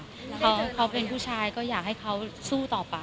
แล้วเค้าเป็นผู้ชายก็อยากให้เค้าสู้ต่อไป